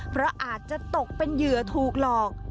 เพราะอาจจะตกเป็นเหยื่อถูกหลอก